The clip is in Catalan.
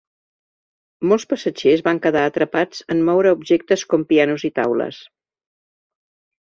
Molts passatgers van quedar atrapats en moure objectes com pianos i taules.